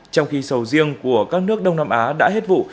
trong khi sầu riêng của các nước đông nam á đã hết vụ